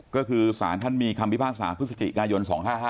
ก็คือศาลท่านมีคำวิภาคศาสตร์พฤศจิกายน๒๕๕๙